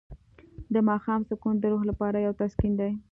د ماښام سکون د روح لپاره یو تسکین دی.